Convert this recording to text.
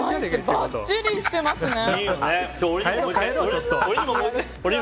ばっちりしてますね。